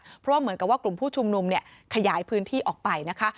เพราะว่าเหมือนกับว่ากลุ่มผู้ชุมนุมเนี่ยขยายพื้นที่ออกไปนะคะ